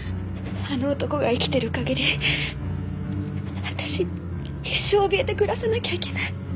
あの男が生きてる限り私一生おびえて暮らさなきゃいけない。